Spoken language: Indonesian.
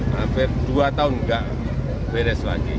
hampir dua tahun nggak beres lagi